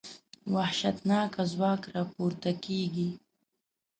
وحشتناکه ځواک راپورته کېږي.